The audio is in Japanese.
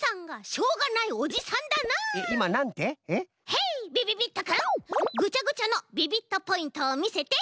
ヘイびびびっとくんぐちゃぐちゃのビビットポイントをみせて。